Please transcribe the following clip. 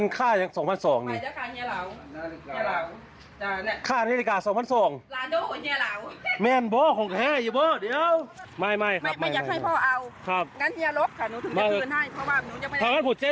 ไปเดือนเนี่ยหลบคุณหนูก่อน